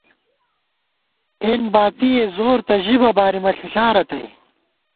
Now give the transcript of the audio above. اېن باتِی ئے زور تہ ژِبہ بارِمہ ݪِݪا رتئ